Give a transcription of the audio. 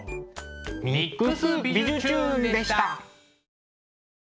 「ＭＩＸびじゅチューン！」でした。